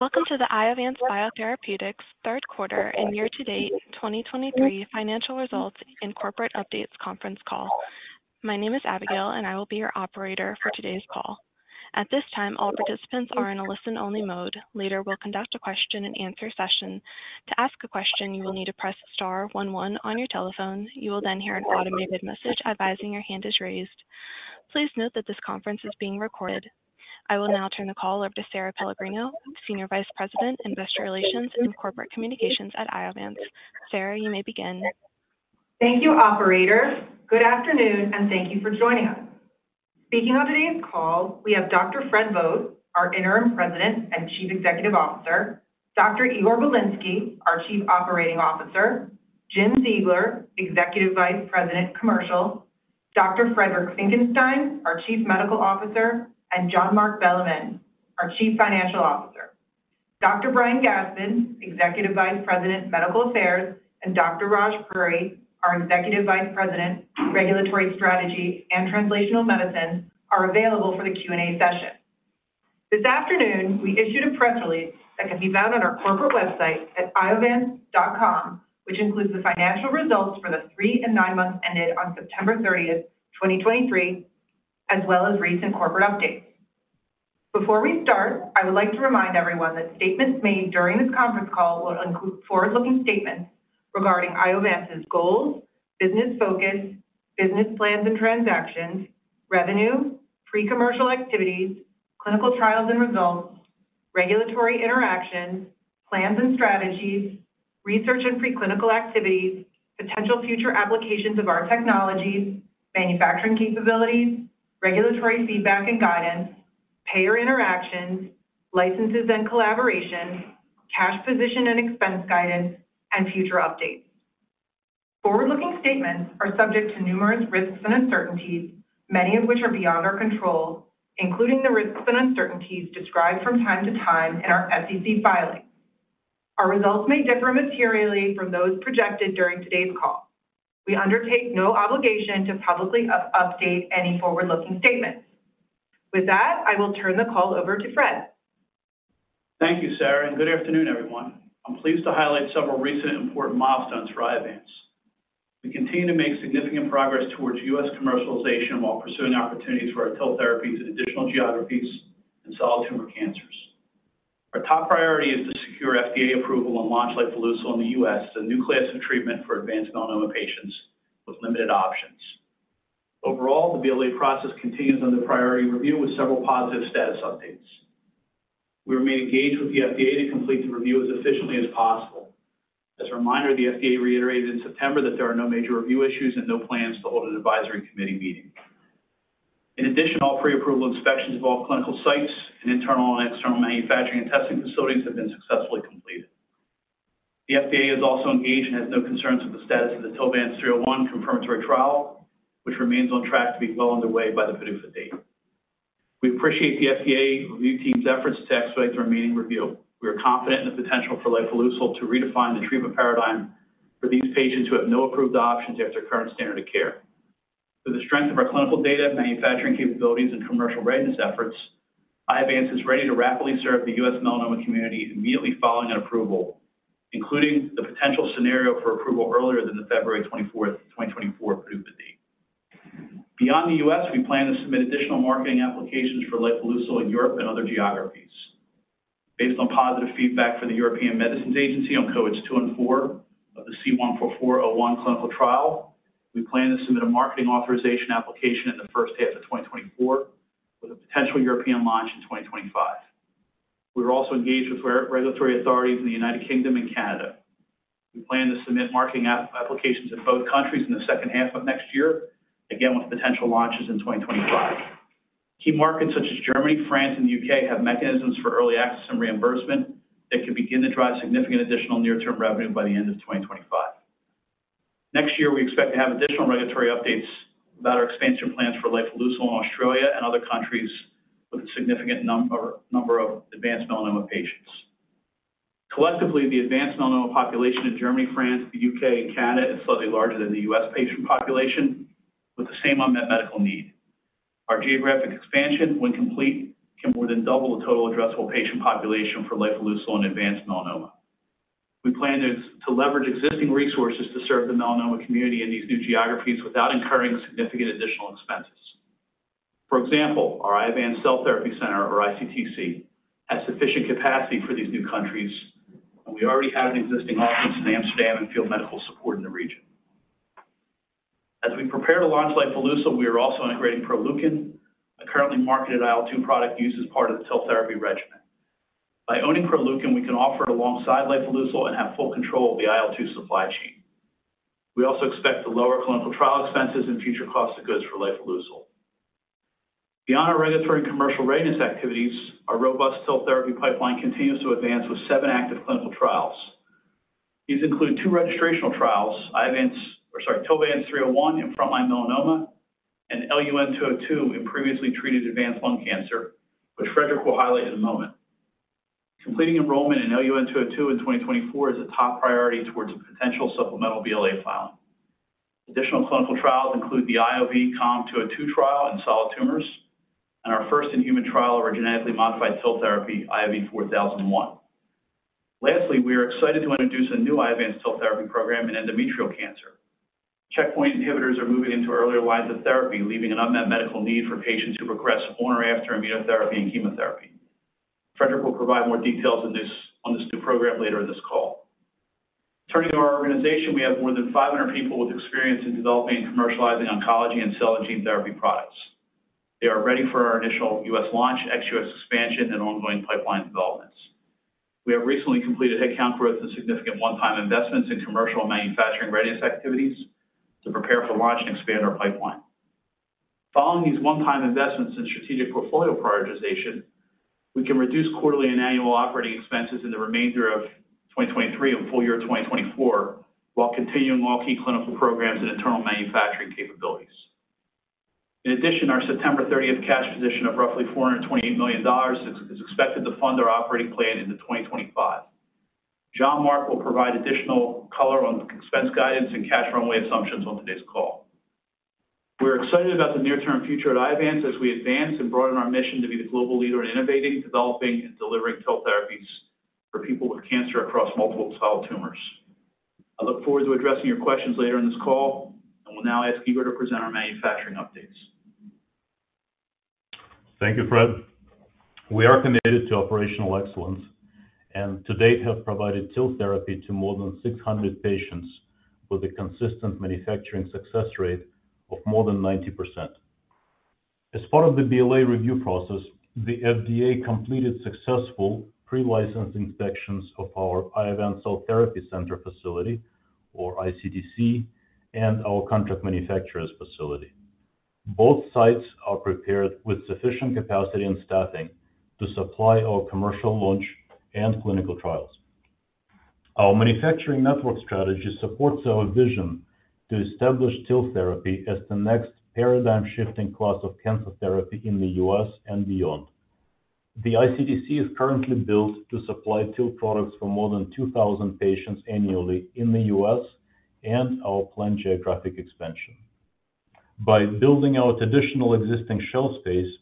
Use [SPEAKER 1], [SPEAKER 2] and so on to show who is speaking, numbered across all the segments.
[SPEAKER 1] Welcome to the Iovance Biotherapeutics Third Quarter and Year-to-Date 2023 Financial Results and Corporate Updates Conference Call. My name is Abigail, and I will be your operator for today's call. At this time, all participants are in a listen-only mode. Later, we'll conduct a question-and-answer session. To ask a question, you will need to press star one one on your telephone. You will then hear an automated message advising your hand is raised. Please note that this conference is being recorded. I will now turn the call over to Sara Pellegrino, Senior Vice President, Investor Relations and Corporate Communications at Iovance. Sara, you may begin.
[SPEAKER 2] Thank you, operator. Good afternoon, and thank you for joining us. Speaking on today's call, we have Dr. Fred Vogt, our Interim President and Chief Executive Officer, Dr. Igor Bilinsky, our Chief Operating Officer, Jim Ziegler, Executive Vice President, Commercial, Dr. Friedrich Finckenstein, our Chief Medical Officer, and Jean-Marc Bellemin, our Chief Financial Officer. Dr. Brian Gastman, Executive Vice President, Medical Affairs, and Dr. Raj Puri, our Executive Vice President, Regulatory Strategy and Translational Medicine, are available for the Q&A session. This afternoon, we issued a press release that can be found on our corporate website at iovance.com, which includes the financial results for the three and nine months ended on September 30th, 2023, as well as recent corporate updates. Before we start, I would like to remind everyone that statements made during this conference call will include forward-looking statements regarding Iovance's goals, business focus, business plans and transactions, revenue, pre-commercial activities, clinical trials and results, regulatory interactions, plans and strategies, research and preclinical activities, potential future applications of our technologies, manufacturing capabilities, regulatory feedback and guidance, payer interactions, licenses and collaborations, cash position and expense guidance, and future updates. Forward-looking statements are subject to numerous risks and uncertainties, many of which are beyond our control, including the risks and uncertainties described from time to time in our SEC filing. Our results may differ materially from those projected during today's call. We undertake no obligation to publicly update any forward-looking statements. With that, I will turn the call over to Fred.
[SPEAKER 3] Thank you, Sara, and good afternoon, everyone. I'm pleased to highlight several recent important milestones for Iovance. We continue to make significant progress towards U.S. commercialization while pursuing opportunities for our cell therapies in additional geographies and solid tumor cancers. Our top priority is to secure FDA approval and launch lifileucel in the U.S., a new class of treatment for advanced melanoma patients with limited options. Overall, the BLA process continues on the priority review with several positive status updates. We remain engaged with the FDA to complete the review as efficiently as possible. As a reminder, the FDA reiterated in September that there are no major review issues and no plans to hold an advisory committee meeting. In addition, all pre-approval inspections of all clinical sites and internal and external manufacturing and testing facilities have been successfully completed. The FDA is also engaged and has no concerns with the status of the TILVANCE-301 confirmatory trial, which remains on track to be well underway by the PDUFA date. We appreciate the FDA review team's efforts to expedite the remaining review. We are confident in the potential for lifileucel to redefine the treatment paradigm for these patients who have no approved options after current standard of care. For the strength of our clinical data, manufacturing capabilities, and commercial readiness efforts, Iovance is ready to rapidly serve the U.S. melanoma community immediately following an approval, including the potential scenario for approval earlier than the February 24th, 2024 PDUFA date. Beyond the U.S., we plan to submit additional marketing applications for lifileucel in Europe and other geographies. Based on positive feedback for the European Medicines Agency on cohorts two and four of the C-144-01 clinical trial, we plan to submit a marketing authorization application in the first half of 2024, with a potential European launch in 2025. We are also engaged with regulatory authorities in the United Kingdom and Canada. We plan to submit marketing applications in both countries in the second half of next year, again, with potential launches in 2025. Key markets such as Germany, France, and the U.K. have mechanisms for early access and reimbursement that can begin to drive significant additional near-term revenue by the end of 2025. Next year, we expect to have additional regulatory updates about our expansion plans for lifileucel in Australia and other countries with a significant number of advanced melanoma patients. Collectively, the advanced melanoma population in Germany, France, the UK, and Canada is slightly larger than the US patient population, with the same unmet medical need. Our geographic expansion, when complete, can more than double the total addressable patient population for lifileucel in advanced melanoma. We plan to leverage existing resources to serve the melanoma community in these new geographies without incurring significant additional expenses. For example, our Iovance Cell Therapy Center, or iCTC, has sufficient capacity for these new countries, and we already have an existing office in Amsterdam and field medical support in the region. As we prepare to launch lifileucel, we are also integrating Proleukin, a currently marketed IL-2 product used as part of the cell therapy regimen. By owning Proleukin, we can offer it alongside lifileucel and have full control of the IL-2 supply chain. We also expect to lower clinical trial expenses and future costs of goods for lifileucel. Beyond our regulatory and commercial readiness activities, our robust cell therapy pipeline continues to advance with seven active clinical trials. These include two registrational trials, TILVANCE-301 in frontline melanoma and IOV-LUN-202 in previously treated advanced lung cancer, which Friedrich will highlight in a moment. Completing enrollment in IOV-LUN-202 in 2024 is a top priority towards a potential supplemental BLA filing.... Additional clinical trials include the IOV-COM-202 trial in solid tumors and our first-in-human trial of our genetically modified cell therapy, IOV-4001. Lastly, we are excited to introduce a new Iovance cell therapy program in endometrial cancer. Checkpoint inhibitors are moving into earlier lines of therapy, leaving an unmet medical need for patients who progress on or after immunotherapy and chemotherapy. Friedrich will provide more details on this, on this new program later in this call. Turning to our organization, we have more than 500 people with experience in developing and commercializing oncology and cell and gene therapy products. They are ready for our initial U.S. launch, ex-U.S. expansion, and ongoing pipeline developments. We have recently completed headcount growth and significant one-time investments in commercial and manufacturing readiness activities to prepare for launch and expand our pipeline. Following these one-time investments in strategic portfolio prioritization, we can reduce quarterly and annual operating expenses in the remainder of 2023 and full year 2024, while continuing all key clinical programs and internal manufacturing capabilities. In addition, our September 30th cash position of roughly $428 million is expected to fund our operating plan into 2025. Jean-Marc Bellemin will provide additional color on the expense guidance and cash runway assumptions on today's call. We're excited about the near-term future at Iovance as we advance and broaden our mission to be the global leader in innovating, developing, and delivering cell therapies for people with cancer across multiple solid tumors. I look forward to addressing your questions later in this call, and will now ask Igor to present our manufacturing updates.
[SPEAKER 4] Thank you, Fred. We are committed to operational excellence, and to date have provided TIL therapy to more than 600 patients with a consistent manufacturing success rate of more than 90%. As part of the BLA review process, the FDA completed successful pre-license inspections of our Iovance Cell Therapy Center facility, or iCTC, and our contract manufacturer's facility. Both sites are prepared with sufficient capacity and staffing to supply our commercial launch and clinical trials. Our manufacturing network strategy supports our vision to establish TIL therapy as the next paradigm-shifting class of cancer therapy in the U.S. and beyond. The iCTC is currently built to supply TIL products for more than 2,000 patients annually in the U.S. and our planned geographic expansion. By building out additional existing shell space,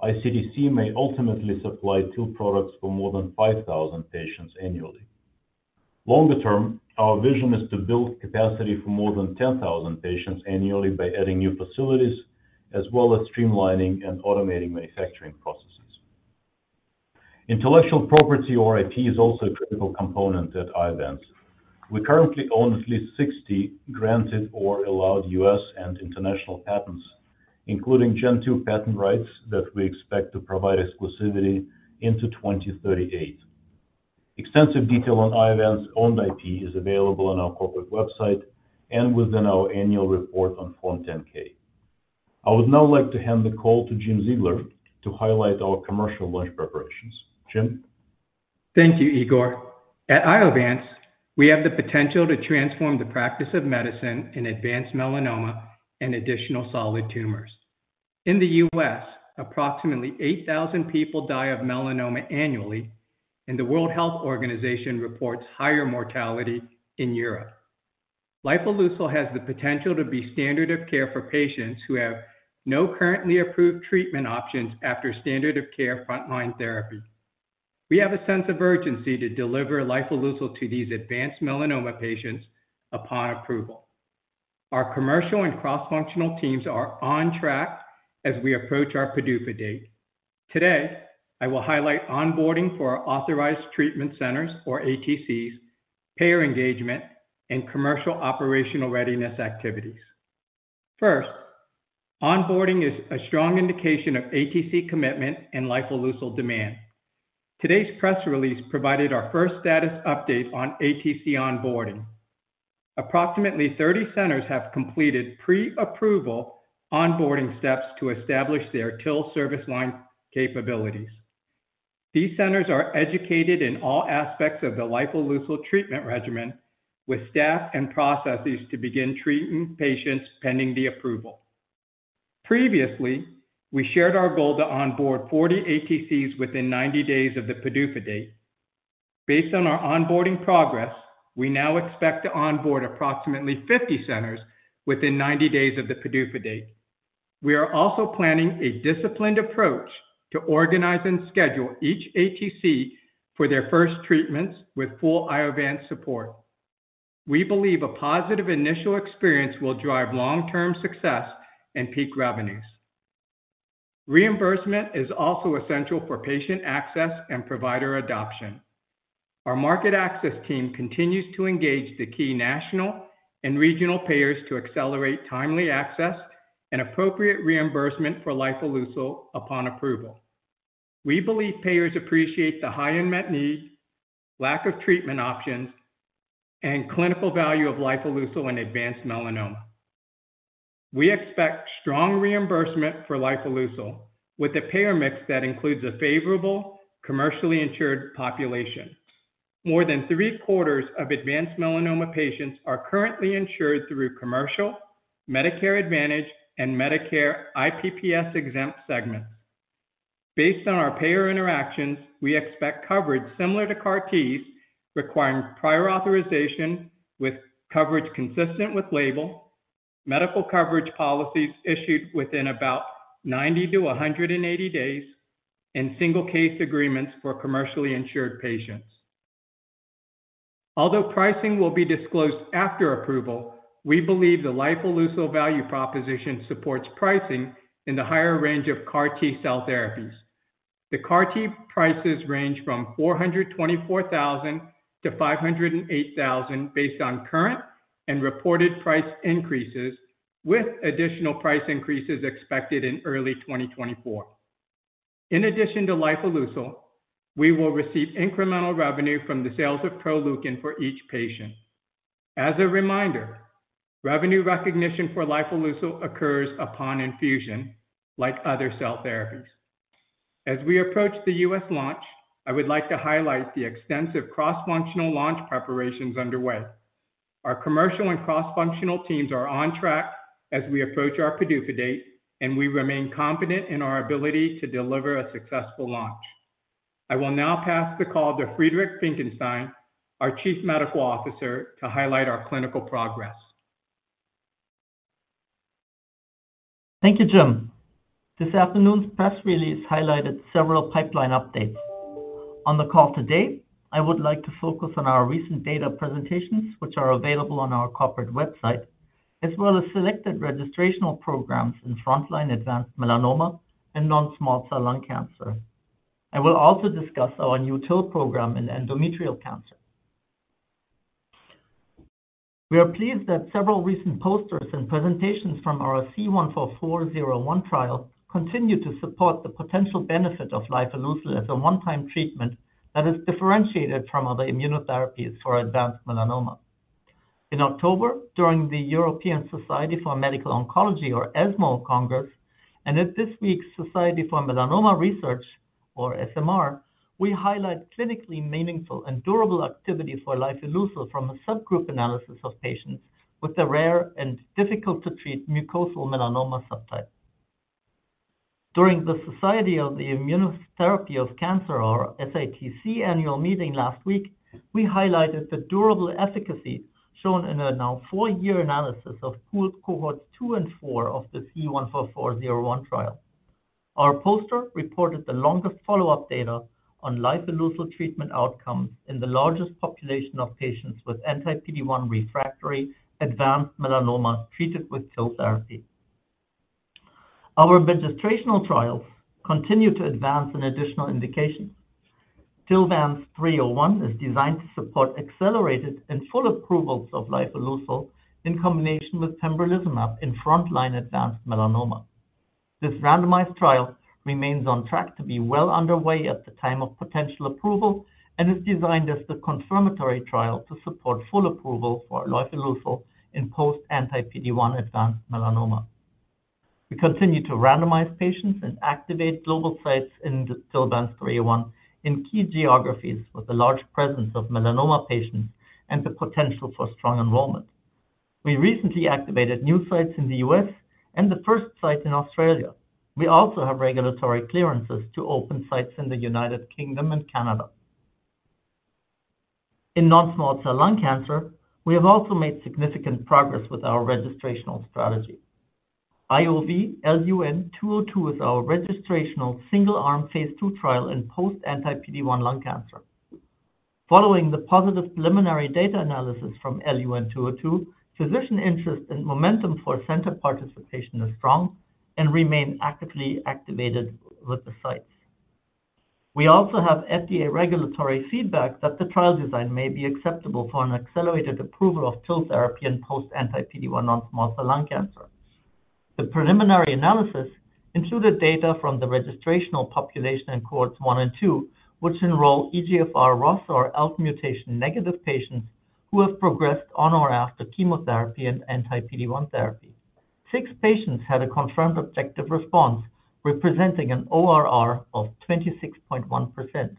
[SPEAKER 4] iCTC may ultimately supply two products for more than 5,000 patients annually. Longer term, our vision is to build capacity for more than 10,000 patients annually by adding new facilities, as well as streamlining and automating manufacturing processes. Intellectual property, or IP, is also a critical component at Iovance. We currently own at least 60 granted or allowed U.S. and international patents, including Gen 2 patent rights that we expect to provide exclusivity into 2038. Extensive detail on Iovance's owned IP is available on our corporate website and within our annual report on Form 10-K. I would now like to hand the call to Jim Ziegler to highlight our commercial launch preparations. Jim?
[SPEAKER 5] Thank you, Igor. At Iovance, we have the potential to transform the practice of medicine in advanced melanoma and additional solid tumors. In the U.S., approximately 8,000 people die of melanoma annually, and the World Health Organization reports higher mortality in Europe. Lifileucel has the potential to be standard of care for patients who have no currently approved treatment options after standard of care frontline therapy. We have a sense of urgency to deliver Lifileucel to these advanced melanoma patients upon approval. Our commercial and cross-functional teams are on track as we approach our PDUFA date. Today, I will highlight onboarding for our authorized treatment centers, or ATCs, payer engagement, and commercial operational readiness activities. First, onboarding is a strong indication of ATC commitment and Lifileucel demand. Today's press release provided our first status update on ATC onboarding. Approximately 30 centers have completed pre-approval onboarding steps to establish their TIL service line capabilities. These centers are educated in all aspects of the lifileucel treatment regimen, with staff and processes to begin treating patients pending the approval. Previously, we shared our goal to onboard 40 ATCs within 90 days of the PDUFA date. Based on our onboarding progress, we now expect to onboard approximately 50 centers within 90 days of the PDUFA date. We are also planning a disciplined approach to organize and schedule each ATC for their first treatments with full Iovance support. We believe a positive initial experience will drive long-term success and peak revenues. Reimbursement is also essential for patient access and provider adoption. Our market access team continues to engage the key national and regional payers to accelerate timely access and appropriate reimbursement for lifileucel upon approval. We believe payers appreciate the high unmet need, lack of treatment options, and clinical value of lifileucel in advanced melanoma. We expect strong reimbursement for lifileucel, with a payer mix that includes a favorable, commercially insured population. More than three-quarters of advanced melanoma patients are currently insured through commercial, Medicare Advantage, and Medicare IPPS-exempt segments. Based on our payer interactions, we expect coverage similar to CAR Ts, requiring prior authorization with coverage consistent with label, medical coverage policies issued within about 90-180 days, and single case agreements for commercially insured patients. Although pricing will be disclosed after approval, we believe the lifileucel value proposition supports pricing in the higher range of CAR T cell therapies. The CAR T prices range from $424,000-$508,000, based on current and reported price increases, with additional price increases expected in early 2024. In addition to lifileucel, we will receive incremental revenue from the sales of Proleukin for each patient. As a reminder, revenue recognition for lifileucel occurs upon infusion, like other cell therapies. As we approach the U.S. launch, I would like to highlight the extensive cross-functional launch preparations underway. Our commercial and cross-functional teams are on track as we approach our PDUFA date, and we remain confident in our ability to deliver a successful launch. I will now pass the call to Friedrich Graf Finckenstein, our Chief Medical Officer, to highlight our clinical progress.
[SPEAKER 6] Thank you, Jim. This afternoon's press release highlighted several pipeline updates. On the call today, I would like to focus on our recent data presentations, which are available on our corporate website, as well as selected registrational programs in frontline advanced melanoma and non-small cell lung cancer. I will also discuss our new TIL program in endometrial cancer. We are pleased that several recent posters and presentations from our C-144-01 trial continue to support the potential benefit of lifileucel as a one-time treatment that is differentiated from other immunotherapies for advanced melanoma. In October, during the European Society for Medical Oncology, or ESMO Congress, and at this week's Society for Melanoma Research or SMR, we highlight clinically meaningful and durable activity for lifileucel from a subgroup analysis of patients with a rare and difficult to treat mucosal melanoma subtype. During the Society for Immunotherapy of Cancer, or SITC annual meeting last week, we highlighted the durable efficacy shown in a now four-year analysis of pooled cohorts two and four of the C-144-01 trial. Our poster reported the longest follow-up data on lifileucel treatment outcomes in the largest population of patients with anti-PD-1 refractory advanced melanoma treated with TIL therapy. Our registrational trials continue to advance an additional indication. TILVANCE-301 is designed to support accelerated and full approvals of lifileucel in combination with pembrolizumab in frontline advanced melanoma. This randomized trial remains on track to be well underway at the time of potential approval and is designed as the confirmatory trial to support full approval for lifileucel in post anti-PD-1 advanced melanoma. We continue to randomize patients and activate global sites in the TILVANCE-301 in key geographies with a large presence of melanoma patients and the potential for strong enrollment. We recently activated new sites in the U.S. and the first site in Australia. We also have regulatory clearances to open sites in the United Kingdom and Canada. In non-small cell lung cancer, we have also made significant progress with our registrational strategy. IOV-LUN-202 is our registrational single-arm phase II trial in post anti-PD-1 lung cancer. Following the positive preliminary data analysis from LUN-202, physician interest and momentum for center participation is strong and remain actively activated with the sites. We also have FDA regulatory feedback that the trial design may be acceptable for an accelerated approval of TIL therapy in post anti-PD-1 non-small cell lung cancer. The preliminary analysis included data from the registrational population in cohorts one and two, which enroll EGFR, ROS or ALK mutation-negative patients who have progressed on or after chemotherapy and anti-PD-1 therapy. Six patients had a confirmed objective response, representing an ORR of 26.1%.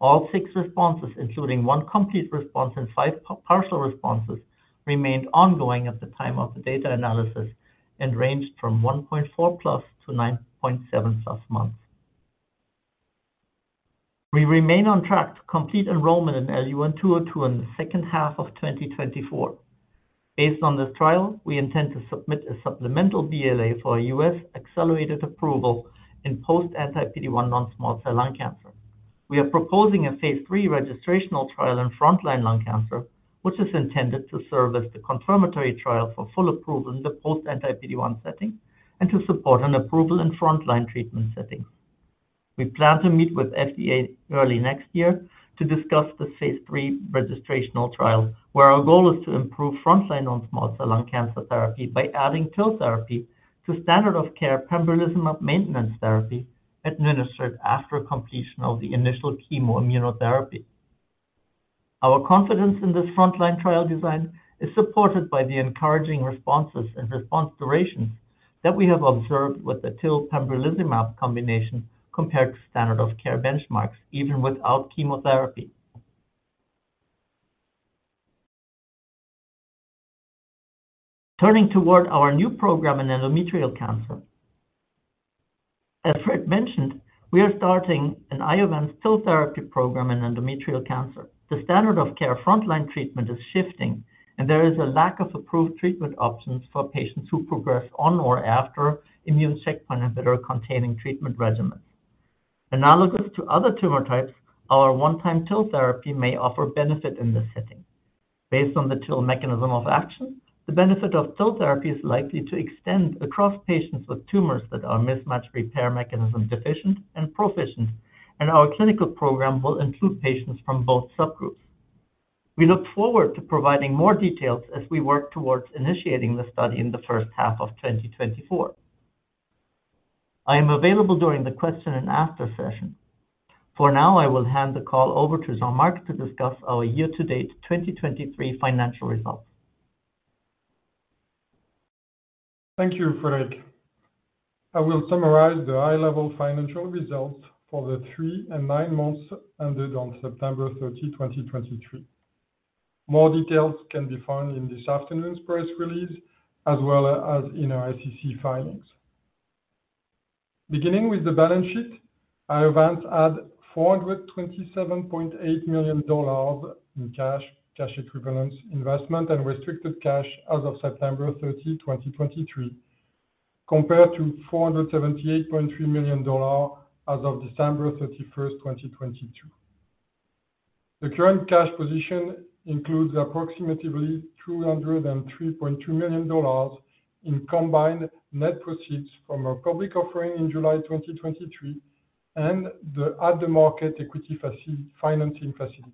[SPEAKER 6] All six responses, including one complete response and five partial responses, remained ongoing at the time of the data analysis and ranged from 1.4+ to 9.7+ months. We remain on track to complete enrollment in LUN-202 in the second half of 2024. Based on this trial, we intend to submit a supplemental BLA for a U.S. accelerated approval in post anti-PD-1 non-small cell lung cancer. We are proposing a phase III registrational trial in frontline lung cancer, which is intended to serve as the confirmatory trial for full approval in the post anti-PD-1 setting and to support an approval in frontline treatment setting. We plan to meet with FDA early next year to discuss the phase III registrational trial, where our goal is to improve frontline non-small cell lung cancer therapy by adding TIL therapy to standard of care pembrolizumab maintenance therapy administered after completion of the initial chemoimmunotherapy. Our confidence in this frontline trial design is supported by the encouraging responses and response durations that we have observed with the TIL pembrolizumab combination compared to standard of care benchmarks, even without chemotherapy.... Turning toward our new program in endometrial cancer. As Fred mentioned, we are starting an Iovance TIL therapy program in endometrial cancer. The standard of care frontline treatment is shifting, and there is a lack of approved treatment options for patients who progress on or after immune checkpoint inhibitor-containing treatment regimens. Analogous to other tumor types, our one-time TIL therapy may offer benefit in this setting. Based on the TIL mechanism of action, the benefit of TIL therapy is likely to extend across patients with tumors that are mismatch repair mechanism deficient and proficient, and our clinical program will include patients from both subgroups. We look forward to providing more details as we work towards initiating the study in the first half of 2024. I am available during the question and answer session. For now, I will hand the call over to Jean-Marc to discuss our year-to-date 2023 financial results.
[SPEAKER 7] Thank you, Friedrich. I will summarize the high-level financial results for the three and nine months ended on September 30, 2023. More details can be found in this afternoon's press release, as well as in our SEC filings. Beginning with the balance sheet, Iovance had $427.8 million in cash, cash equivalents, investment, and restricted cash as of September 30, 2023, compared to $478.3 million as of December 31, 2022. The current cash position includes approximately $203.2 million in combined net proceeds from our public offering in July 2023, and the at-the-market equity financing facility.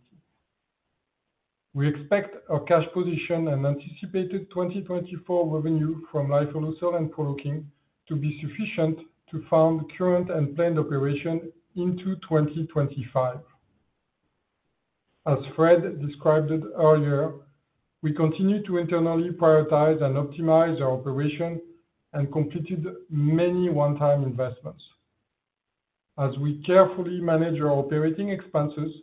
[SPEAKER 7] We expect our cash position and anticipated 2024 revenue from lifileucel and Proleukin to be sufficient to fund current and planned operation into 2025. As Fred described it earlier, we continue to internally prioritize and optimize our operation and completed many one-time investments. As we carefully manage our operating expenses,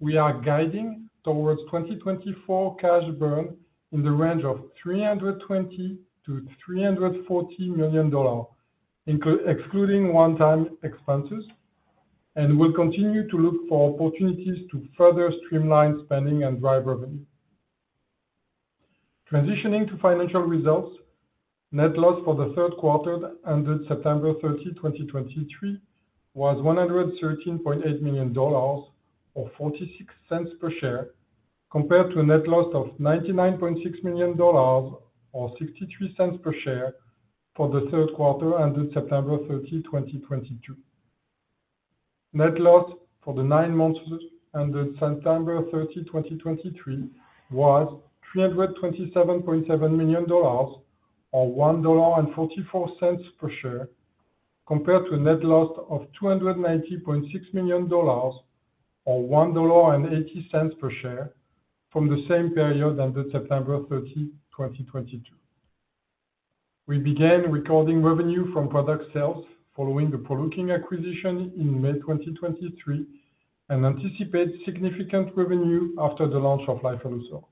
[SPEAKER 7] we are guiding towards 2024 cash burn in the range of $320 million-$340 million, excluding one-time expenses, and we'll continue to look for opportunities to further streamline spending and drive revenue. Transitioning to financial results, net loss for the third quarter ended September 30, 2023, was $113.8 million, or $0.46 per share, compared to a net loss of $99.6 million, or $0.63 per share, for the third quarter ended September 30, 2022. Net loss for the nine months ended September 30, 2023, was $327.7 million, or $1.44 per share, compared to a net loss of $290.6 million, or $1.80 per share, from the same period ended September 30, 2022. We began recording revenue from product sales following the Proleukin acquisition in May 2023 and anticipate significant revenue after the launch of lifileucel.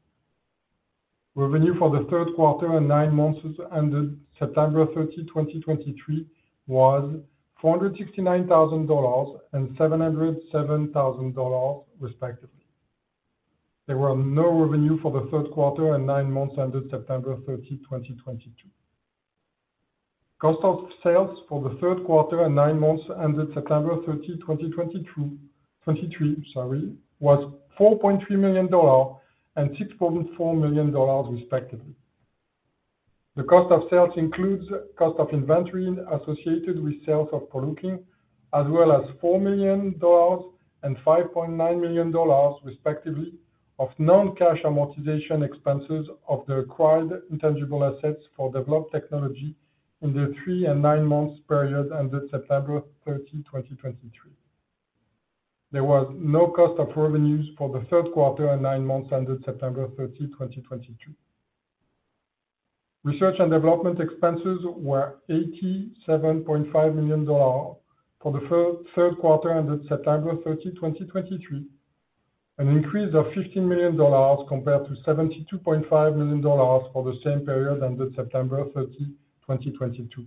[SPEAKER 7] Revenue for the third quarter and nine months ended September 30, 2023, was $469,000 and $707,000, respectively. There were no revenue for the third quarter and nine months ended September 30, 2022. Cost of sales for the third quarter and nine months ended September 30, 2022, 2023, sorry, was $4.3 million and $6.4 million, respectively. The cost of sales includes cost of inventory associated with sales of Proleukin, as well as $4 million and $5.9 million, respectively, of non-cash amortization expenses of the acquired intangible assets for developed technology in the three and nine months period ended September 30, 2023. There was no cost of revenues for the third quarter and nine months ended September 30, 2022. Research and development expenses were $87.5 million for the third quarter ended September 30, 2023, an increase of $15 million compared to $72.5 million for the same period ended September 30, 2022.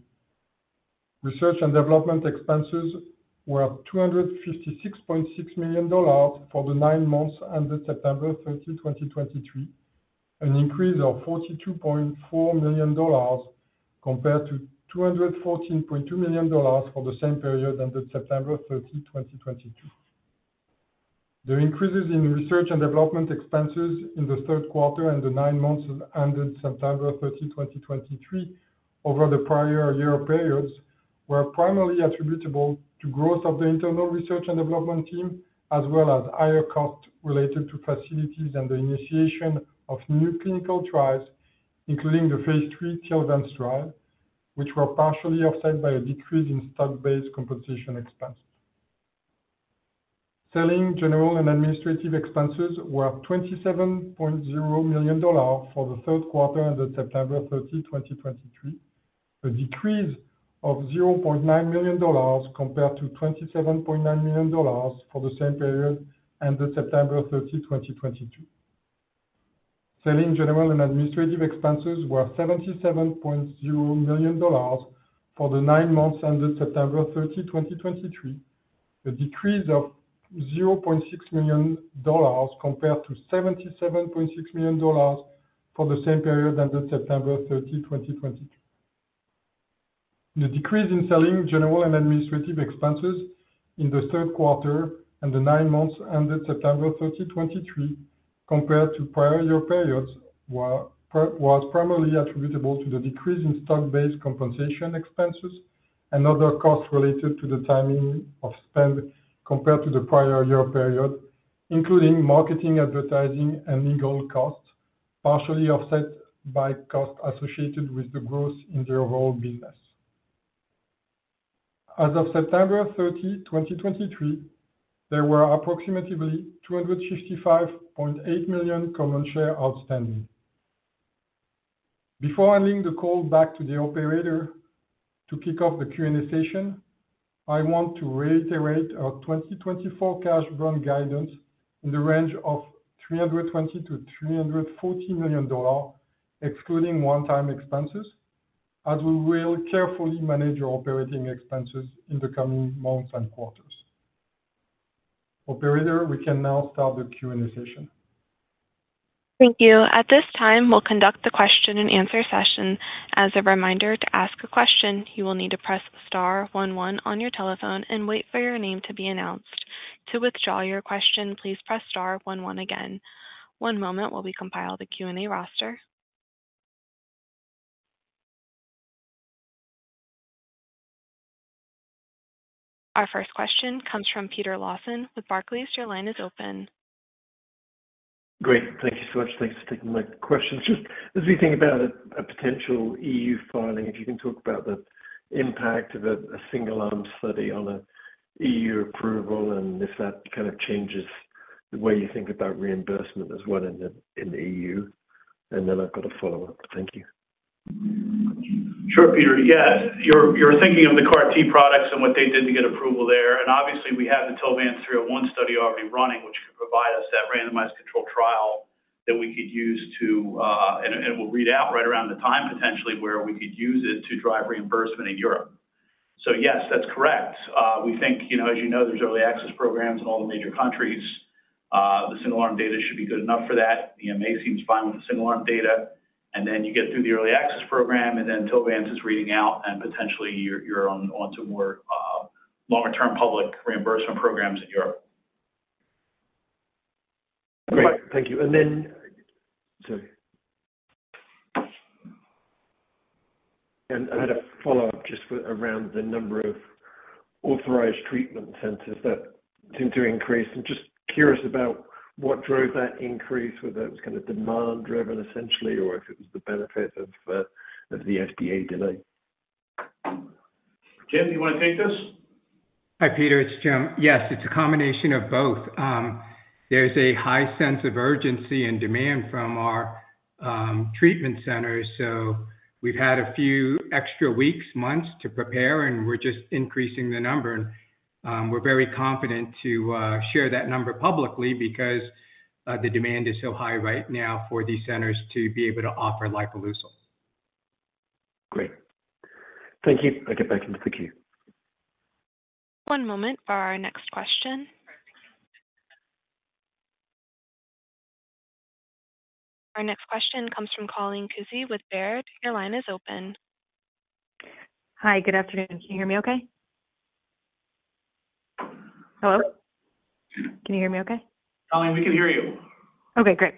[SPEAKER 7] Research and development expenses were $256.6 million for the nine months ended September 30, 2023, an increase of $42.4 million compared to $214.2 million for the same period ended September 30, 2022. The increases in research and development expenses in the third quarter and the nine months ended September 30, 2023, over the prior year periods, were primarily attributable to growth of the internal research and development team, as well as higher costs related to facilities and the initiation of new clinical trials, including the phase III TILVANCE trial, which were partially offset by a decrease in stock-based compensation expenses. Selling general and administrative expenses were $27.0 million for the third quarter ended September 30, 2023.... A decrease of $0.9 million compared to $27.9 million for the same period ended September 30, 2023. Selling, general, and administrative expenses were $77.0 million for the nine months ended September 30, 2023, a decrease of $0.6 million compared to $77.6 million for the same period ended September 30, 2023. The decrease in selling, general, and administrative expenses in the third quarter and the nine months ended September 30, 2023, compared to prior year periods was primarily attributable to the decrease in stock-based compensation expenses and other costs related to the timing of spend compared to the prior year period, including marketing, advertising, and legal costs, partially offset by costs associated with the growth in the overall business. As of September 30, 2023, there were approximately 255.8 million common shares outstanding. Before handing the call back to the operator to kick off the Q&A session, I want to reiterate our 2024 cash burn guidance in the range of $320 million-$340 million, excluding one-time expenses, as we will carefully manage our operating expenses in the coming months and quarters. Operator, we can now start the Q&A session.
[SPEAKER 1] Thank you. At this time, we'll conduct the question-and-answer session. As a reminder, to ask a question, you will need to press star one one on your telephone and wait for your name to be announced. To withdraw your question, please press star one one again. One moment while we compile the Q&A roster. Our first question comes from Peter Lawson with Barclays. Your line is open.
[SPEAKER 8] Great. Thank you so much. Thanks for taking my questions. Just as we think about a potential EU filing, if you can talk about the impact of a single-arm study on a EU approval and if that kind of changes the way you think about reimbursement as well in the EU. And then I've got a follow-up. Thank you.
[SPEAKER 3] Sure, Peter. Yeah. You're thinking of the CAR T products and what they did to get approval there. And obviously, we have the TILVANCE-301 study already running, which could provide us that randomized controlled trial that we could use to, and we'll read out right around the time, potentially, where we could use it to drive reimbursement in Europe. So yes, that's correct. We think, you know, as you know, there's early access programs in all the major countries. The single-arm data should be good enough for that. The EMA seems fine with the single-arm data, and then you get through the early access program, and then TILVANCE is reading out, and potentially, you're on to more longer-term public reimbursement programs in Europe.
[SPEAKER 8] Great. Thank you. And then—Sorry. And I had a follow-up just for around the number of authorized treatment centers that seem to increase. I'm just curious about what drove that increase, whether it was kind of demand-driven essentially, or if it was the benefit of, of the FDA delay.
[SPEAKER 3] Jim, do you want to take this?
[SPEAKER 5] Hi, Peter, it's Jim. Yes, it's a combination of both. There's a high sense of urgency and demand from our treatment centers, so we've had a few extra weeks, months to prepare, and we're just increasing the number. We're very confident to share that number publicly because the demand is so high right now for these centers to be able to offer lifileucel.
[SPEAKER 8] Great. Thank you. I'll get back into the queue.
[SPEAKER 1] One moment for our next question. Our next question comes from Colleen Kusy with Baird. Your line is open.
[SPEAKER 9] Hi, good afternoon. Can you hear me okay? Hello? Can you hear me okay?
[SPEAKER 3] Colleen, we can hear you.
[SPEAKER 9] Okay, great.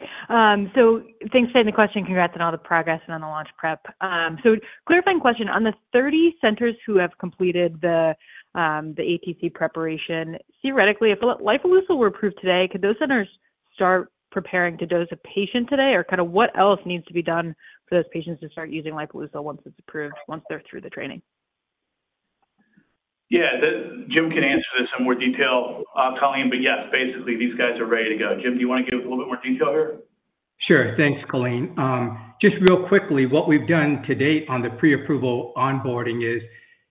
[SPEAKER 9] So thanks for taking the question. Congrats on all the progress and on the launch prep. So clarifying question, on the 30 centers who have completed the ATC preparation, theoretically, if lifileucel were approved today, could those centers start preparing to dose a patient today? Or kind of what else needs to be done for those patients to start using lifileucel once it's approved, once they're through the training?
[SPEAKER 3] Yeah, Jim can answer this in more detail, Colleen, but yes, basically, these guys are ready to go. Jim, do you want to give a little bit more detail here?
[SPEAKER 5] Sure. Thanks, Colleen. Just real quickly, what we've done to date on the pre-approval onboarding is,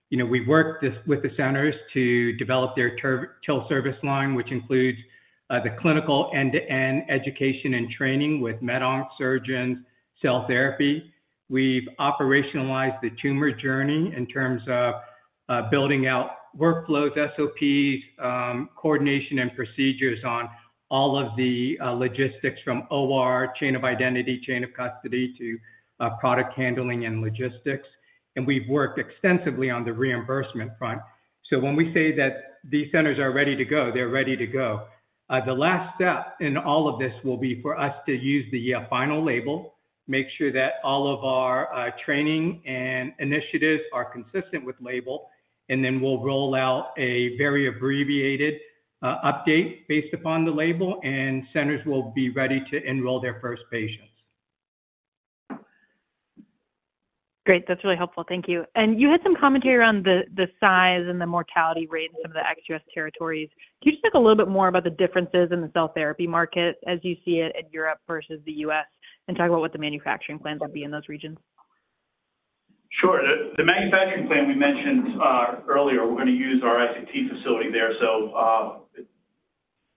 [SPEAKER 5] you know, we've worked this with the centers to develop their TIL service line, which includes the clinical end-to-end education and training with med onc surgeons, cell therapy. We've operationalized the tumor journey in terms of building out workflows, SOPs, coordination and procedures on all of the logistics from OR, chain of identity, chain of custody, to product handling and logistics. And we've worked extensively on the reimbursement front. So when we say that these centers are ready to go, they're ready to go. The last step in all of this will be for us to use the final label, make sure that all of our training and initiatives are consistent with label, and then we'll roll out a very abbreviated update based upon the label, and centers will be ready to enroll their first patients.
[SPEAKER 9] Great. That's really helpful. Thank you. You had some commentary around the size and the mortality rate in some of the ex-US territories. Can you just talk a little bit more about the differences in the cell therapy market as you see it in Europe versus the US, and talk about what the manufacturing plans would be in those regions? ...
[SPEAKER 3] Sure. The manufacturing plan we mentioned earlier, we're going to use our iCTC facility there. So, I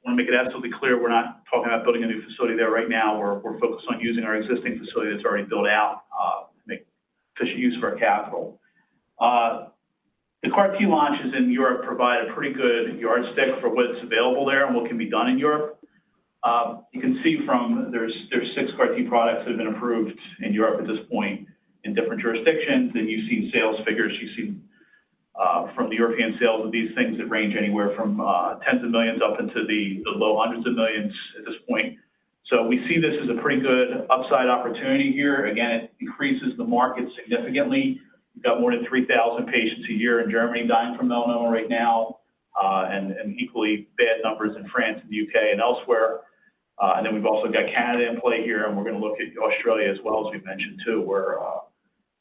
[SPEAKER 3] want to make it absolutely clear we're not talking about building a new facility there right now. We're focused on using our existing facility that's already built out to make efficient use of our capital. The CAR T launches in Europe provide a pretty good yardstick for what's available there and what can be done in Europe. You can see from there, there's six CAR T products that have been approved in Europe at this point in different jurisdictions, and you've seen sales figures. You've seen from the European sales of these things that range anywhere from $tens of millions up into the low $hundreds of millions at this point. So we see this as a pretty good upside opportunity here. Again, it increases the market significantly. We've got more than 3,000 patients a year in Germany dying from melanoma right now, and equally bad numbers in France and the UK and elsewhere. And then we've also got Canada in play here, and we're going to look at Australia as well, as we've mentioned, too,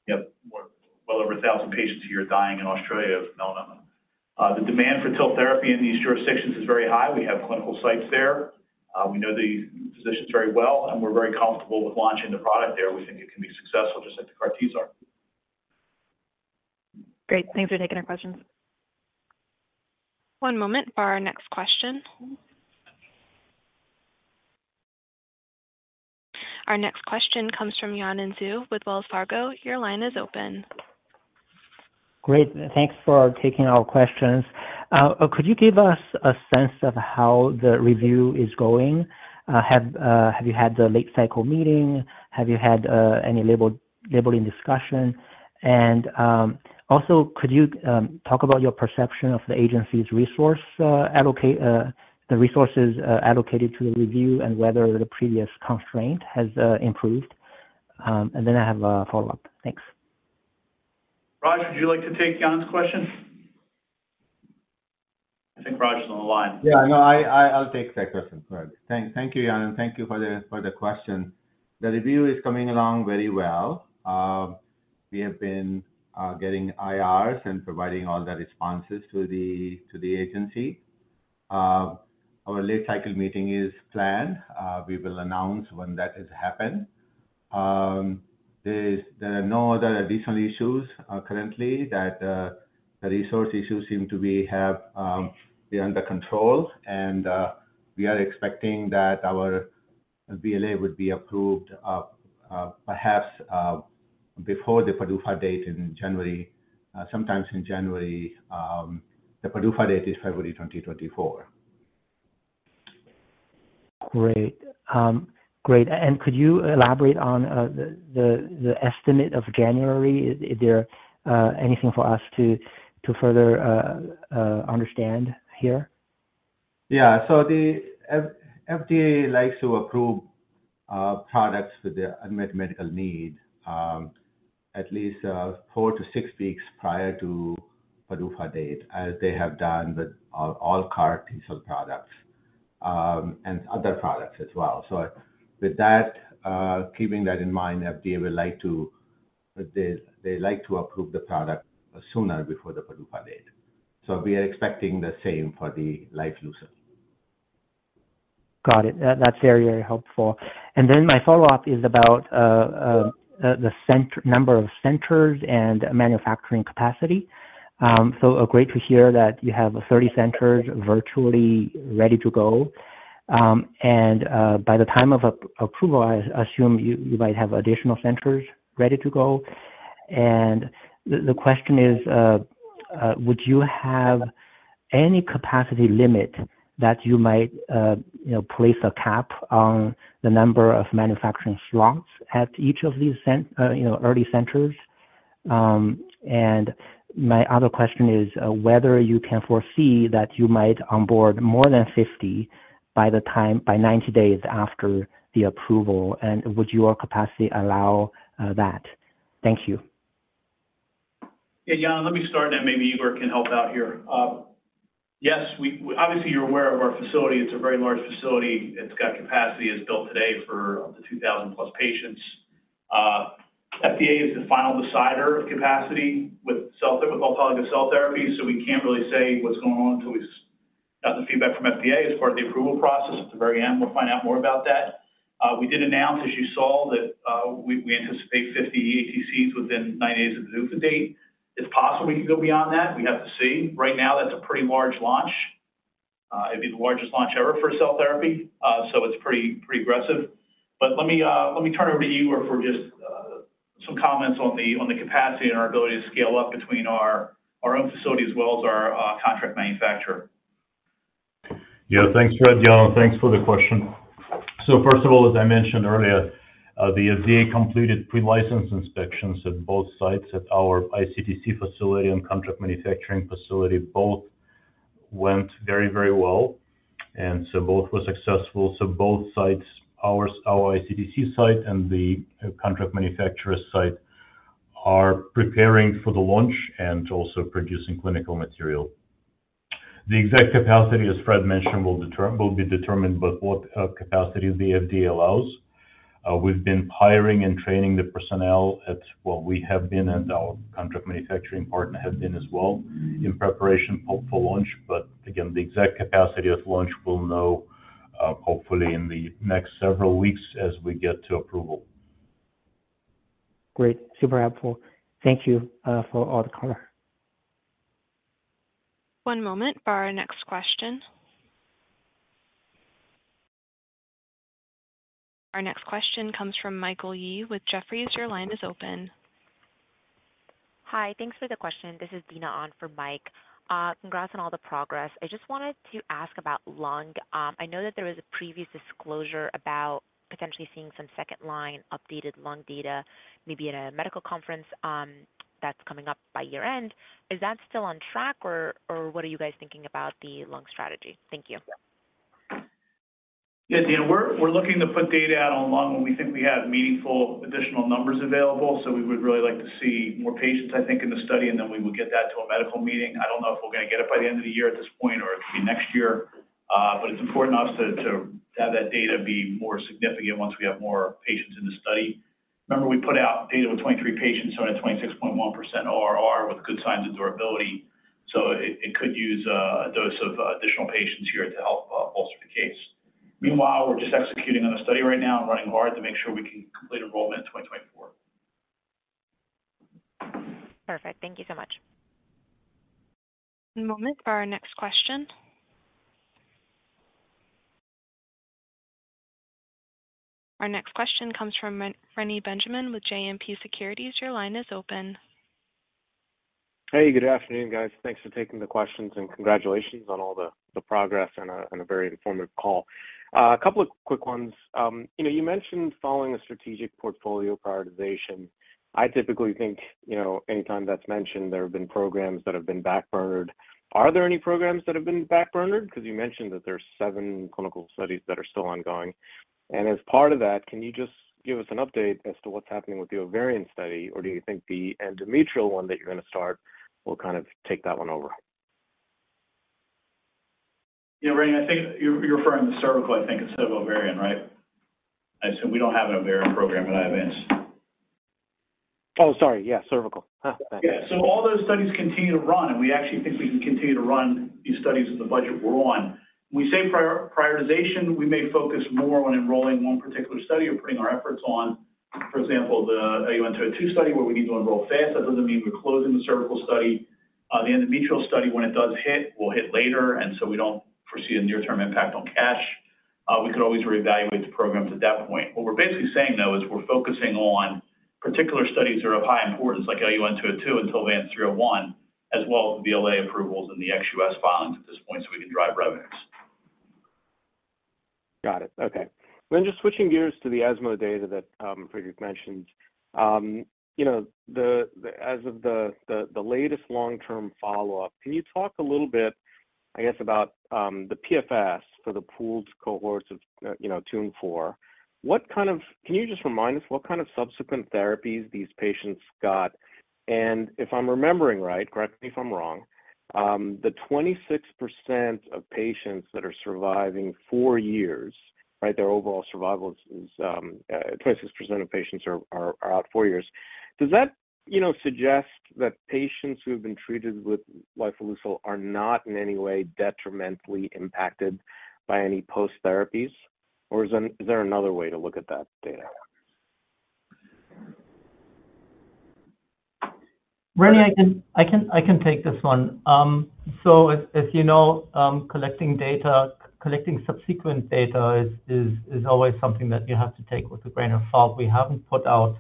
[SPEAKER 3] where you have more, well over 1,000 patients a year dying in Australia of melanoma. The demand for cell therapy in these jurisdictions is very high. We have clinical sites there. We know the physicians very well, and we're very comfortable with launching the product there. We think it can be successful, just like the CAR Ts are.
[SPEAKER 9] Great. Thanks for taking our questions.
[SPEAKER 1] One moment for our next question. Our next question comes from Yanan Zhu with Wells Fargo. Your line is open.
[SPEAKER 10] Great. Thanks for taking our questions. Could you give us a sense of how the review is going? Have you had the late-cycle meeting? Have you had any labeling discussion? And also, could you talk about your perception of the agency's resources allocated to the review and whether the previous constraint has improved? And then I have a follow-up. Thanks.
[SPEAKER 3] Raj, would you like to take Yanan's question? I think Raj is on the line.
[SPEAKER 11] Yeah, no, I'll take that question. Thank you, Yanan, thank you for the question. The review is coming along very well. We have been getting IRs and providing all the responses to the agency. Our late-cycle meeting is planned. We will announce when that has happened. There are no other additional issues currently. The resource issues seem to be under control, and we are expecting that our BLA would be approved, perhaps, before the PDUFA date in January, sometime in January. The PDUFA date is February 2024.
[SPEAKER 10] Great. Great. And could you elaborate on the estimate of January? Is there anything for us to further understand here?
[SPEAKER 11] Yeah. So the FDA likes to approve products with the unmet medical need, at least four to six weeks prior to PDUFA date, as they have done with all CAR T-cell products, and other products as well. So with that keeping that in mind, FDA would like to... They like to approve the product sooner before the PDUFA date. So we are expecting the same for the lifileucel.
[SPEAKER 10] Got it. That's very, very helpful. And then my follow-up is about the center, number of centers and manufacturing capacity. So great to hear that you have 30 centers virtually ready to go. And by the time of approval, I assume you might have additional centers ready to go. And the question is, would you have any capacity limit that you might, you know, place a cap on the number of manufacturing slots at each of these early centers? And my other question is whether you can foresee that you might onboard more than 50 by the time, by 90 days after the approval, and would your capacity allow that? Thank you.
[SPEAKER 3] Yeah, Yanan, let me start, and maybe Igor can help out here. Yes, we obviously, you're aware of our facility. It's a very large facility. It's got capacity. It's built today for up to 2,000+ patients. FDA is the final decider of capacity with cell therapy, with all kinds of cell therapies, so we can't really say what's going on until we've got the feedback from FDA as part of the approval process. At the very end, we'll find out more about that. We did announce, as you saw, that we anticipate 50 ATCs within 90 days of the PDUFA date. It's possible we can go beyond that. We have to see. Right now, that's a pretty large launch. It'd be the largest launch ever for cell therapy, so it's pretty, pretty aggressive. Let me turn it over to you for just some comments on the capacity and our ability to scale up between our own facility as well as our contract manufacturer.
[SPEAKER 4] Yeah. Thanks, Fred. Yanan, thanks for the question. So first of all, as I mentioned earlier, the FDA completed pre-license inspections at both sites, at our iCTC facility and contract manufacturing facility. Both went very, very well, and so both were successful. So both sites, our, our iCTC site and the contract manufacturer site, are preparing for the launch and also producing clinical material. The exact capacity, as Fred mentioned, will be determined by what capacity the FDA allows. We've been hiring and training the personnel. Well, we have been, and our contract manufacturing partner have been as well, in preparation for launch. But again, the exact capacity at launch, we'll know-... hopefully in the next several weeks as we get to approval.
[SPEAKER 10] Great. Super helpful. Thank you, for all the color.
[SPEAKER 1] One moment for our next question. Our next question comes from Michael Yee with Jefferies. Your line is open.
[SPEAKER 12] Hi, thanks for the question. This is Dina on for Mike. Congrats on all the progress. I just wanted to ask about lung. I know that there was a previous disclosure about potentially seeing some second-line updated lung data, maybe at a medical conference, that's coming up by year-end. Is that still on track, or, or what are you guys thinking about the lung strategy? Thank you.
[SPEAKER 3] Yes, Dina, we're looking to put data out on lung when we think we have meaningful additional numbers available, so we would really like to see more patients, I think, in the study, and then we will get that to a medical meeting. I don't know if we're gonna get it by the end of the year at this point or it could be next year, but it's important to us to have that data be more significant once we have more patients in the study. Remember, we put out data with 23 patients who had a 26.1% ORR with good signs of durability, so it could use a dose of additional patients here to help bolster the case. Meanwhile, we're just executing on the study right now and running hard to make sure we can complete enrollment in 2024.
[SPEAKER 12] Perfect. Thank you so much.
[SPEAKER 1] One moment for our next question. Our next question comes from Ren Benjamin with JMP Securities. Your line is open.
[SPEAKER 13] Hey, good afternoon, guys. Thanks for taking the questions, and congratulations on all the progress and a very informative call. A couple of quick ones. You know, you mentioned following a strategic portfolio prioritization. I typically think, you know, anytime that's mentioned, there have been programs that have been backburnered. Are there any programs that have been backburnered? Because you mentioned that there are seven clinical studies that are still ongoing. And as part of that, can you just give us an update as to what's happening with the ovarian study, or do you think the endometrial one that you're gonna start will kind of take that one over?
[SPEAKER 6] Yeah, Reny, I think you're referring to cervical, I think, instead of ovarian, right? I said we don't have an ovarian program at Iovance.
[SPEAKER 13] Oh, sorry. Yeah, cervical. Thanks.
[SPEAKER 6] Yeah. So all those studies continue to run, and we actually think we can continue to run these studies in the budget we're on. We say prioritization, we may focus more on enrolling one particular study or putting our efforts on, for example, the IOV-LUN-202 study, where we need to enroll fast. That doesn't mean we're closing the cervical study. The endometrial study, when it does hit, will hit later, and so we don't foresee a near-term impact on cash. We could always reevaluate the programs at that point. What we're basically saying, though, is we're focusing on particular studies that are of high importance, like IOV-LUN-202 and TILVANCE-301, as well as the BLA approvals and the ex-US filings at this point, so we can drive revenues.
[SPEAKER 13] Got it. Okay. Then just switching gears to the ESMO data that Friedrich mentioned. You know, as of the latest long-term follow-up, can you talk a little bit, I guess, about the PFS for the pooled cohorts of, you know, two and four? Can you just remind us what kind of subsequent therapies these patients got? And if I'm remembering right, correct me if I'm wrong, the 26% of patients that are surviving four years, right, their overall survival is 26% of patients are out four years. Does that, you know, suggest that patients who have been treated with lifileucel are not in any way detrimentally impacted by any post therapies, or is there another way to look at that data?
[SPEAKER 6] Reny, I can take this one. So as you know, collecting data, collecting subsequent data is always something that you have to take with a grain of salt. We haven't put out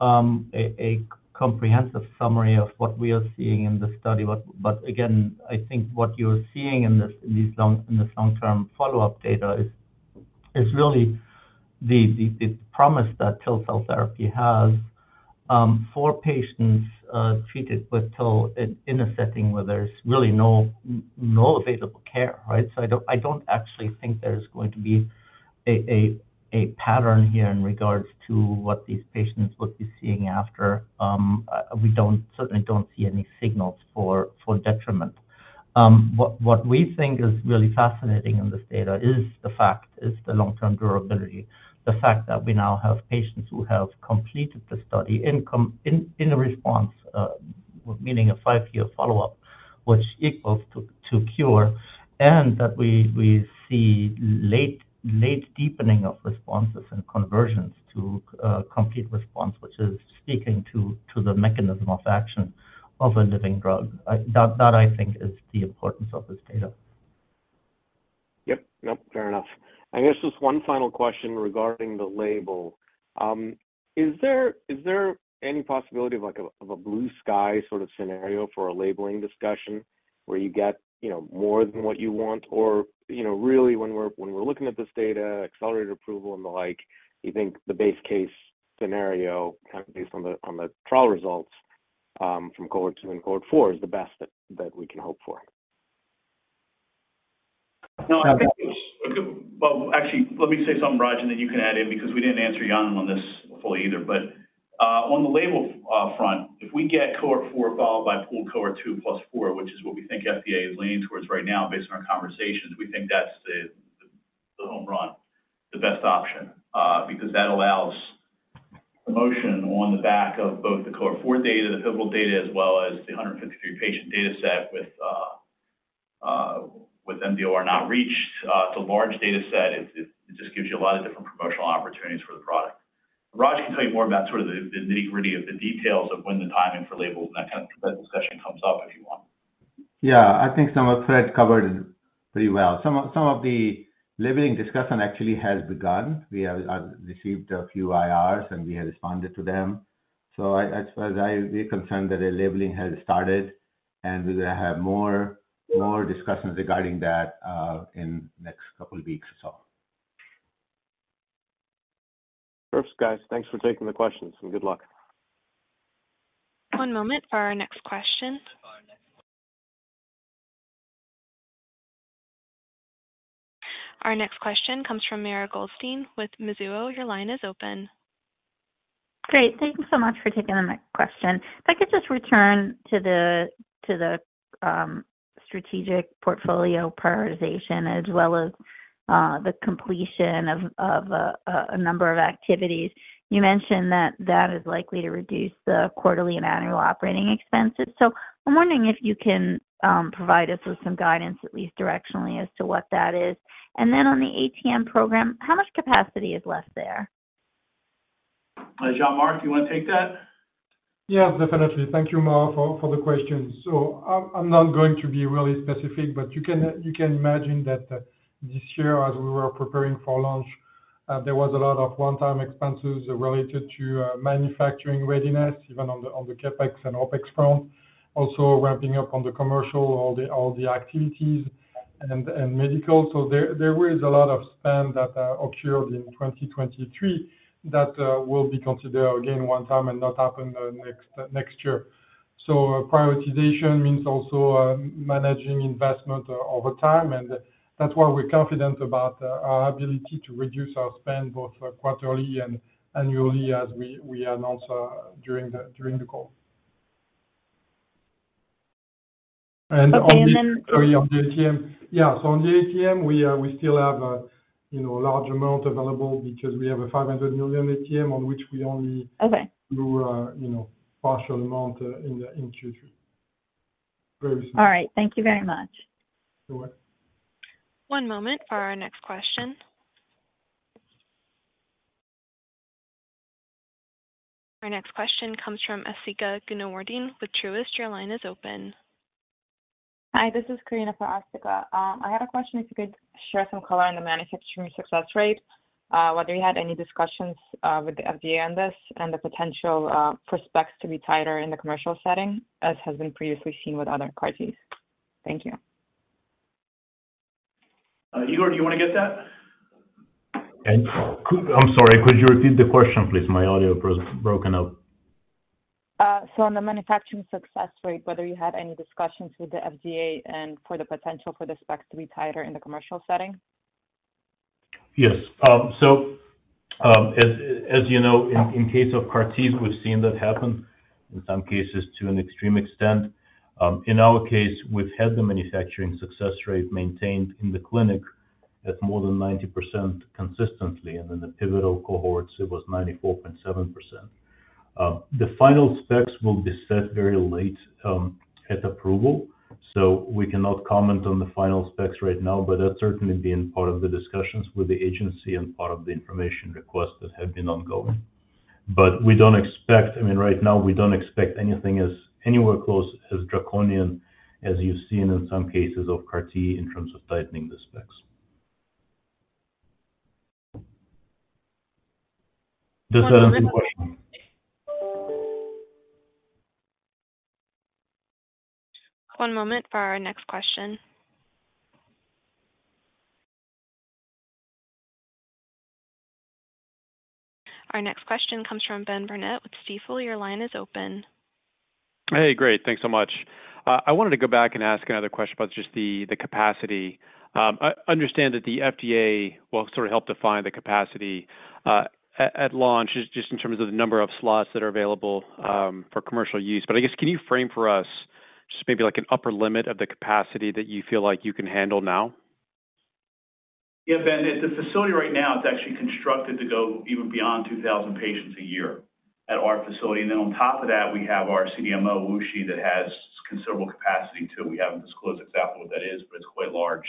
[SPEAKER 6] a comprehensive summary of what we are seeing in the study. But again, I think what you're seeing in this, in these long-term follow-up data is really the promise that TIL cell therapy has for patients treated with TIL in a setting where there's really no available care, right? So I don't actually think there's going to be a pattern here in regards to what these patients would be seeing after. We certainly don't see any signals for detriment. What we think is really fascinating in this data is the long-term durability, the fact that we now have patients who have completed the study in complete response, meaning a five-year follow-up, which equals to cure, and that we see late deepening of responses and conversions to complete response, which is speaking to the mechanism of action of a living drug. That I think is the importance of this data.
[SPEAKER 13] Yep. Yep, fair enough. I guess just one final question regarding the label. Is there any possibility of like a blue sky sort of scenario for a labeling discussion where you get, you know, more than what you want? Or, you know, really when we're looking at this data, accelerated approval and the like, you think the base case scenario, kind of based on the trial results from cohort two and cohort four, is the best that we can hope for?
[SPEAKER 3] No, I think... Well, actually, let me say something, Raj, and that you can add in, because we didn't answer Yanan on this fully either. But, on the label front, if we get cohort four, followed by pool cohort two plus four, which is what we think FDA is leaning towards right now, based on our conversations, we think that's the home run, the best option, because that allows promotion on the back of both the cohort four data, the pivotal data, as well as the 153 patient data set with mDOR not reached. It's a large data set. It just gives you a lot of different promotional opportunities for the product. Raj can tell you more about sort of the nitty-gritty of the details of when the timing for label and that kind of discussion comes up, if you want.
[SPEAKER 11] Yeah, I think some of Fred covered it pretty well. Some of the labeling discussion actually has begun. We have received a few IRs, and we have responded to them. So I suppose I reconfirm that the labeling has started, and we're gonna have more discussions regarding that in next couple of weeks or so.
[SPEAKER 8] Thanks, guys. Thanks for taking the questions, and good luck.
[SPEAKER 1] One moment for our next question. Our next question comes from Mara Goldstein with Mizuho. Your line is open.
[SPEAKER 14] Great. Thank you so much for taking my question. If I could just return to the strategic portfolio prioritization as well as the completion of a number of activities. You mentioned that that is likely to reduce the quarterly and annual operating expenses. So I'm wondering if you can provide us with some guidance, at least directionally, as to what that is. And then on the ATM program, how much capacity is left there?
[SPEAKER 3] Jean-Marc, do you want to take that?
[SPEAKER 7] Yeah, definitely. Thank you, Mara, for the question. So I'm not going to be really specific, but you can imagine that this year, as we were preparing for launch, there was a lot of one-time expenses related to manufacturing readiness, even on the CapEx and OpEx front. Also ramping up on the commercial, all the activities and medical. So there is a lot of spend that occurred in 2023 that will be considered again one time and not happen the next year. So prioritization means also managing investment over time, and that's why we're confident about our ability to reduce our spend, both quarterly and annually, as we announced during the call.
[SPEAKER 14] Okay, and then-
[SPEAKER 7] On the area of the ATM. Yeah, so on the ATM, we still have a, you know, large amount available because we have a $500 million ATM on which we only-
[SPEAKER 14] Okay.
[SPEAKER 7] drew a, you know, partial amount in the Q3. Very similar.
[SPEAKER 14] All right. Thank you very much.
[SPEAKER 7] You're welcome.
[SPEAKER 1] One moment for our next question. Our next question comes from Asthika Goonewardene with Truist. Your line is open.
[SPEAKER 15] Hi, this is Karina for Asthika. I had a question, if you could share some color on the manufacturing success rate, whether you had any discussions with the FDA on this and the potential prospects to be tighter in the commercial setting, as has been previously seen with other CAR-Ts. Thank you.
[SPEAKER 3] Igor, do you want to get that?
[SPEAKER 4] I'm sorry, could you repeat the question, please? My audio broken up.
[SPEAKER 15] On the manufacturing success rate, whether you had any discussions with the FDA and for the potential for the specs to be tighter in the commercial setting?
[SPEAKER 4] Yes. So, as you know, in case of CAR-Ts, we've seen that happen in some cases to an extreme extent. In our case, we've had the manufacturing success rate maintained in the clinic at more than 90% consistently, and in the pivotal cohorts, it was 94.7%. The final specs will be set very late, at approval, so we cannot comment on the final specs right now, but that's certainly been part of the discussions with the agency and part of the information requests that have been ongoing. But we don't expect, I mean, right now, we don't expect anything as anywhere close as draconian as you've seen in some cases of CAR-T in terms of tightening the specs. Does that answer the question?
[SPEAKER 1] One moment for our next question. Our next question comes from Ben Burnett with Stifel. Your line is open.
[SPEAKER 16] Hey, great. Thanks so much. I wanted to go back and ask another question about just the capacity. I understand that the FDA will sort of help define the capacity at launch, just in terms of the number of slots that are available for commercial use. But I guess, can you frame for us just maybe, like, an upper limit of the capacity that you feel like you can handle now?
[SPEAKER 3] Yeah, Ben, the facility right now is actually constructed to go even beyond 2,000 patients a year at our facility. And then on top of that, we have our CDMO, WuXi, that has considerable capacity too. We haven't disclosed exactly what that is, but it's quite large,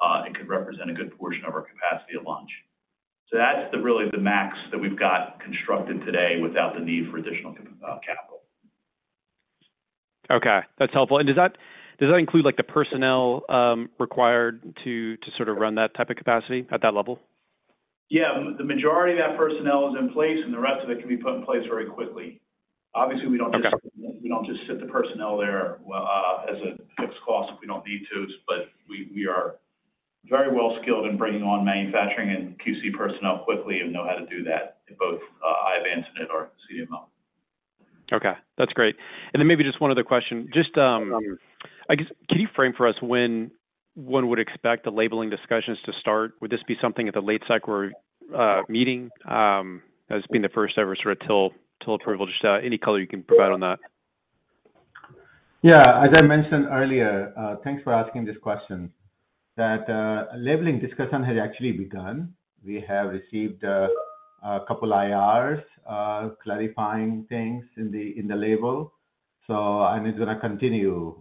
[SPEAKER 3] and could represent a good portion of our capacity at launch. So that's really the max that we've got constructed today without the need for additional capital.
[SPEAKER 16] Okay, that's helpful. Does that include, like, the personnel required to sort of run that type of capacity at that level?
[SPEAKER 3] Yeah. The majority of that personnel is in place, and the rest of it can be put in place very quickly.
[SPEAKER 16] Okay.
[SPEAKER 4] Obviously, we don't just, we don't just sit the personnel there, well, as a fixed cost if we don't need to. But we, we are very well skilled in bringing on manufacturing and QC personnel quickly and know how to do that in both in-house or CDMO.
[SPEAKER 16] Okay, that's great. And then maybe just one other question. Just, I guess, can you frame for us when one would expect the labeling discussions to start? Would this be something at the late cycle meeting, as being the first ever sort of TIL approval? Just, any color you can provide on that?...
[SPEAKER 11] Yeah, as I mentioned earlier, thanks for asking this question, that labeling discussion has actually begun. We have received a couple IRs clarifying things in the label. So and it's gonna continue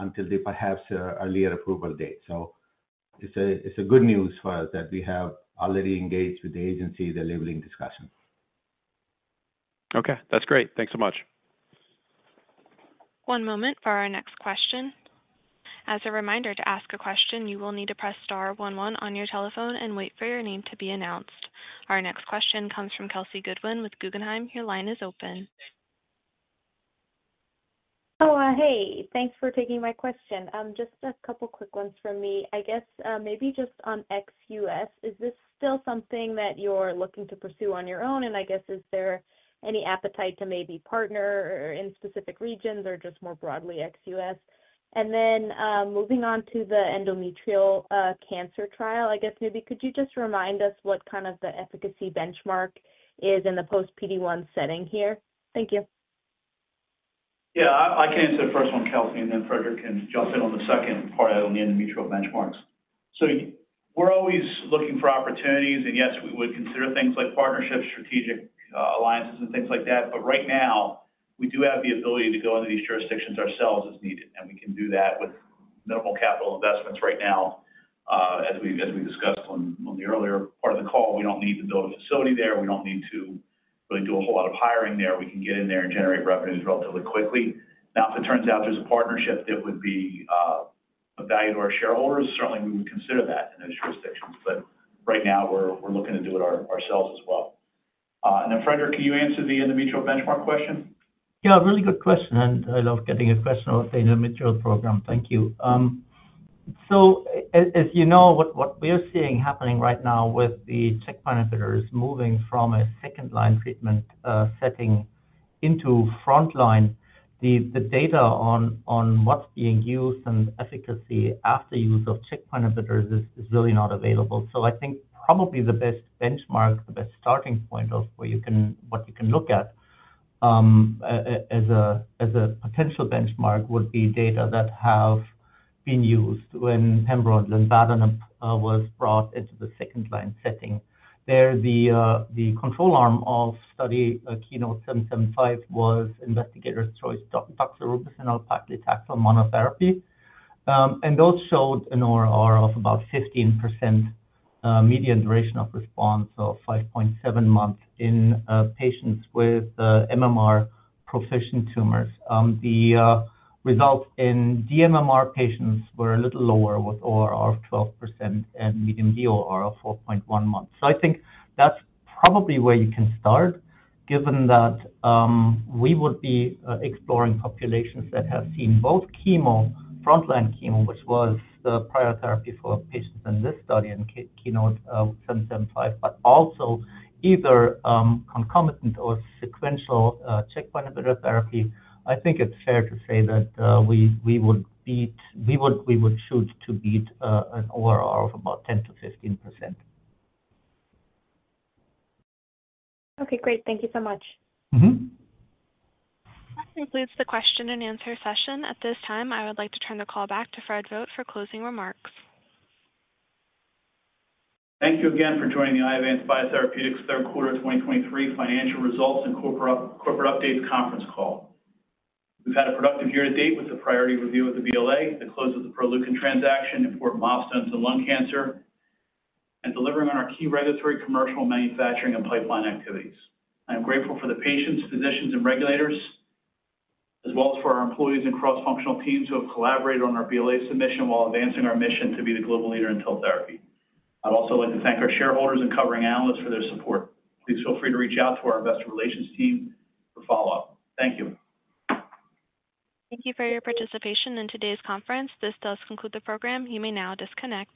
[SPEAKER 11] until they perhaps earlier approval date. So it's a good news for us that we have already engaged with the agency, the labeling discussion.
[SPEAKER 16] Okay, that's great. Thanks so much.
[SPEAKER 1] One moment for our next question. As a reminder, to ask a question, you will need to press star one one on your telephone and wait for your name to be announced. Our next question comes from Kelsey Goodwin with Guggenheim. Your line is open.
[SPEAKER 17] Oh, hey, thanks for taking my question. Just a couple quick ones from me. I guess, maybe just on ex-U.S., is this still something that you're looking to pursue on your own? And I guess, is there any appetite to maybe partner or in specific regions or just more broadly, ex-U.S.? And then, moving on to the endometrial cancer trial, I guess maybe could you just remind us what kind of the efficacy benchmark is in the post PD-1 setting here? Thank you.
[SPEAKER 3] Yeah, I can answer the first one, Kelsey, and then Friedrich can jump in on the second part on the endometrial benchmarks. So we're always looking for opportunities, and yes, we would consider things like partnerships, strategic alliances, and things like that. But right now, we do have the ability to go into these jurisdictions ourselves as needed, and we can do that with minimal capital investments right now. As we discussed on the earlier part of the call, we don't need to build a facility there. We don't need to really do a whole lot of hiring there. We can get in there and generate revenues relatively quickly. Now, if it turns out there's a partnership that would be of value to our shareholders, certainly we would consider that in those jurisdictions, but right now we're looking to do it ourselves as well. And then, Friedrich, can you answer the endometrial benchmark question?
[SPEAKER 6] Yeah, really good question, and I love getting a question on the endometrial program. Thank you. So as you know, what we are seeing happening right now with the checkpoint inhibitors moving from a second-line treatment setting into frontline, the data on what's being used and efficacy after use of checkpoint inhibitors is really not available. So I think probably the best benchmark, the best starting point of what you can look at as a potential benchmark, would be data that have been used when pembrolizumab was brought into the second line setting. There, the control arm of study KEYNOTE-775 was investigator's choice docetaxel monotherapy. And those showed an ORR of about 15%, median duration of response of 5.7 months in patients with MMR-proficient tumors. The results in dMMR patients were a little lower, with ORR of 12% and median DOR of 4.1 months. So I think that's probably where you can start, given that we would be exploring populations that have seen both chemo, frontline chemo, which was the prior therapy for patients in this study, in KEYNOTE-775, but also either concomitant or sequential checkpoint inhibitor therapy. I think it's fair to say that we would choose to beat an ORR of about 10%-15%.
[SPEAKER 17] Okay, great. Thank you so much.
[SPEAKER 6] Mm-hmm.
[SPEAKER 1] That concludes the question and answer session. At this time, I would like to turn the call back to Fred Vogt for closing remarks.
[SPEAKER 3] Thank you again for joining the Iovance Biotherapeutics third quarter 2023 financial results and corporate, corporate updates conference call. We've had a productive year to date with the priority review of the BLA, the close of the Proleukin transaction, important milestones in lung cancer, and delivering on our key regulatory, commercial, manufacturing, and pipeline activities. I'm grateful for the patients, physicians, and regulators, as well as for our employees and cross-functional teams who have collaborated on our BLA submission while advancing our mission to be the global leader in cell therapy. I'd also like to thank our shareholders and covering analysts for their support. Please feel free to reach out to our investor relations team for follow-up. Thank you.
[SPEAKER 1] Thank you for your participation in today's conference. This does conclude the program. You may now disconnect.